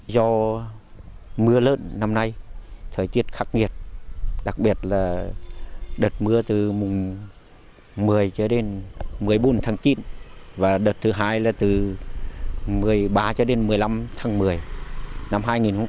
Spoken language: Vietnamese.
do mưa lớn năm nay thời tiết khắc nghiệt đặc biệt là đợt mưa từ mùng một mươi cho đến một mươi bốn tháng chín và đợt thứ hai là từ một mươi ba cho đến một mươi năm tháng một mươi năm hai nghìn một mươi tám